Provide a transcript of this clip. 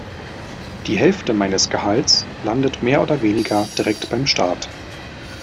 Die Hälfte meines Gehalts landet mehr oder weniger direkt beim Staat.